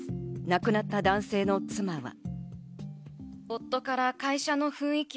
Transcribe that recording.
亡くなった男性の妻は。